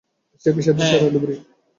সে বিশ্বের সেরা ডুবুরি।